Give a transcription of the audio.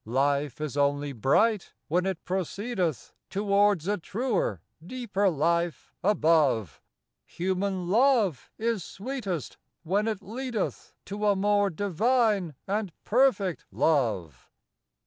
Life is only bright when it proceedeth Towards a truer, deeper Life above; Human Love is sweetest when it leadeth To a more divine and perfect Love.